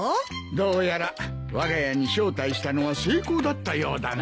どうやらわが家に招待したのは成功だったようだな。